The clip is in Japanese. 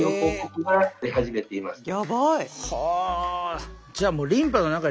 やばい！